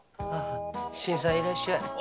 新さんいらっしゃい。